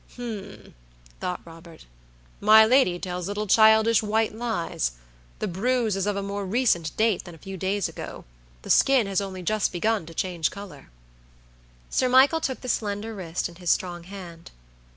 "Hum!" thought Robert. "My lady tells little childish white lies; the bruise is of a more recent date than a few days ago; the skin has only just begun to change color." Sir Michael took the slender wrist in his strong hand.